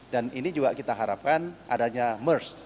dan ini juga kita harapkan adanya mers